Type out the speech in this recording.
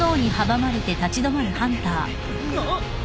あっ！